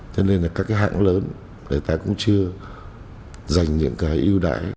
cho nên là các cái hãng lớn người ta cũng chưa dành những cái ưu đãi